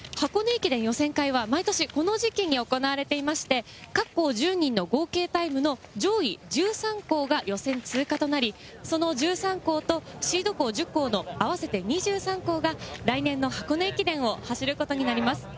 駅伝予選会は毎年この時期に行われていまして、各校１０人の合計タイムの、上位１３校が予選通過となり、その１３校とシード校１０校の合わせて２３校が、来年の箱根駅伝を走ることになります。